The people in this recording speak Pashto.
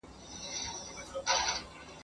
انګرېزانو مورچلونه نیولي ول.